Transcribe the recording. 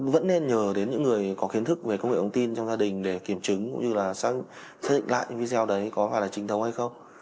vẫn nên nhờ đến những người có kiến thức về công nghệ ống tin trong gia đình để kiểm chứng cũng như là xác định lại những video đấy có phải là chính thống hay không